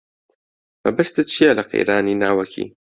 مەبەستت چییە لە قەیرانی ناوەکی؟